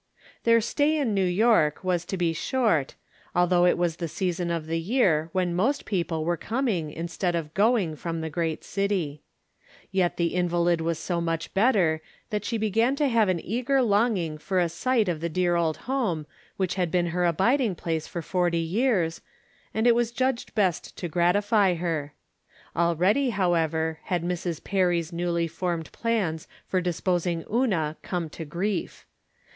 Their stay in New York was to be short, al though it was the season of the year when most people were coming instead of going from the great city. Yet the invalid was so much better that she began to have an eager longing for a sight of the dear old home which had been her abiding place for forty years, and it was judged best to gratify her. Already, however, had Mrs. Perry's newly formed plans for deposing Una come to grief.